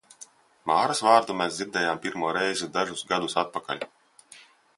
Māras vārdu mēs dzirdējām pirmo reizi dažus gadus atpakaļ.